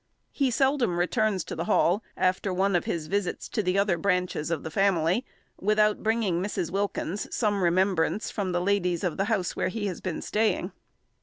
He seldom returns to the Hall, after one of his visits to the other branches of the family, without bringing Mrs. Wilkins some remembrance from the ladies of the house where he has been staying.